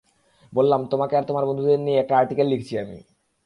বললাম, তোমাকে আর তোমার বন্ধুদের নিয়ে একটা আর্টিকেল লিখছি আমি।